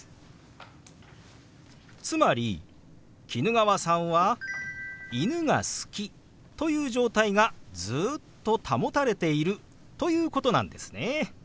つまり衣川さんは「犬が好き」という状態がずっと保たれているということなんですね。